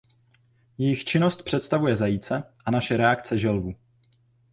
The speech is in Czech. Jejich činnost představuje zajíce a naše reakce želvu.